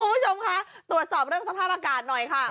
คุณผู้ชมคะตรวจสอบเรื่องสภาพอากาศหน่อยค่ะ